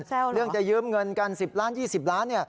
เรื่องจะยืมเงินกัน๑๐ล้าน๒๐ล้าน